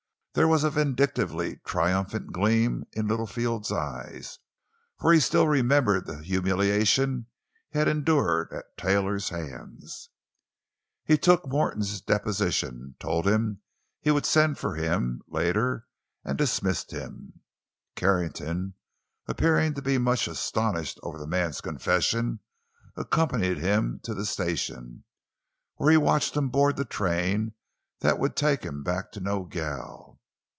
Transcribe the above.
There was a vindictively triumphant gleam in Littlefield's eyes, for he still remembered the humiliation he had endured at Taylor's hands. He took Morton's deposition, told him he would send for him, later; and dismissed him. Carrington, appearing to be much astonished over the man's confession, accompanied him to the station, where he watched him board the train that would take him back to Nogel.